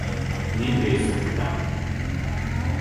Ниндәй судта?